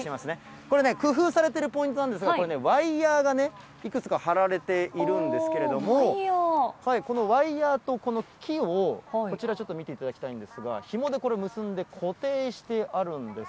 これね、工夫されてるポイントなんですが、これね、ワイヤーがいくつか張られているんですけれども、このワイヤーとこの木を、こちらちょっと見ていただきたいんですが、ひもで結んで固定してあるんです。